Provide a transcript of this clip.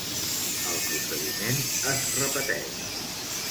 El procediment es repeteix.